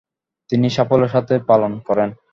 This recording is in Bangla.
তিনি সাফল্যের সাথে পালন করেন।